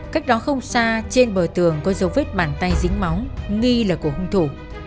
cách đó không xa trên bờ tường có dấu vết bàn tay dính máu nghi là của hung thủ